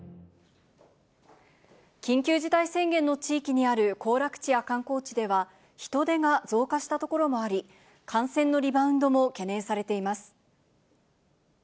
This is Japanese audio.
緊急事態宣言の地域にある行楽地や観光地では、人出が増加した所もあり、感染のリバウンドも懸念されています。